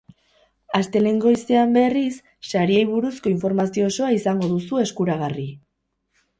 Astelehen goizean, berriz, sariei buruzko informazio osoa izango duzu eskuragarri.